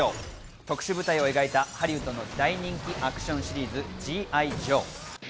特殊部隊を描いたハリウッドの大人気アクションシリーズ『Ｇ．Ｉ．ジョー』。